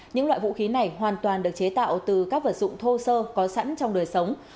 những loại vũ khí này hoàn toàn được chế tạo từ các vật dụng thô sơ có sẵn trong đời sống